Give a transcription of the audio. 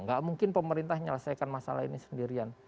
nggak mungkin pemerintah menyelesaikan masalah ini sendirian